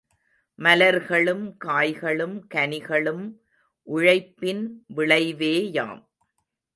மலர்களும் காய்களும் கனிகளும் உழைப்பின் விளைவேயாம்.